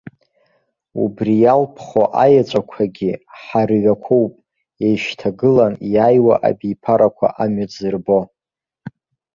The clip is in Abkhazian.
Убри иалԥхо аеҵәақәагьы ҳарҩақәоуп, еишьҭагылан иааиуа абиԥарақәа амҩа дзырбо.